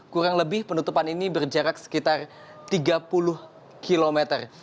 kurang lebih penutupan ini berjarak sekitar tiga puluh kilometer